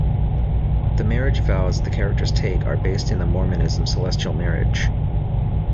The marriage vows the characters take are based in the Mormonism Celestial marriage.